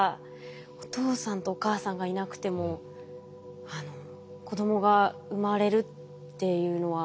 お父さんとお母さんがいなくても子どもが生まれるっていうのは。